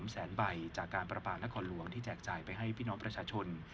แสนใบจากการประปานครหลวงที่แจกจ่ายไปให้พี่น้องประชาชน